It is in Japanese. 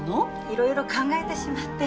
いろいろ考えてしまって。